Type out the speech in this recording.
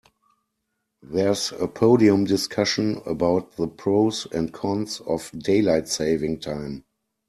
There's a podium discussion about the pros and cons of daylight saving time.